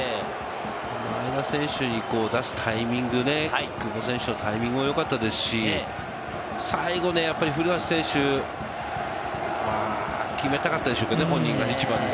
前田選手に出すタイミング、久保選手のタイミングも良かったですし、最後ね、古橋選手、決めたかったでしょうけれどもね、本人が一番。